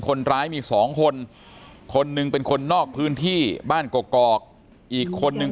คนร้ายมีสองคนคนหนึ่งเป็นคนนอกพื้นที่บ้านกอกอีกคนนึง